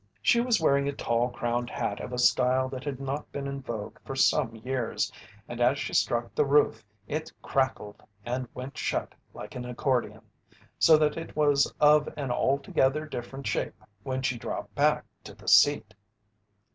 She was wearing a tall crowned hat of a style that had not been in vogue for some years and as she struck the roof it crackled and went shut like an accordeon, so that it was of an altogether different shape when she dropped back to the seat.